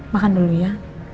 makan dulu ya